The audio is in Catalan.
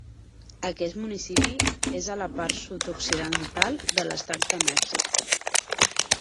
Aquest municipi és a la part sud-occidental de l'estat de Mèxic.